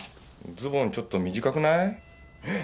ズボンちょっと短くない？えっ？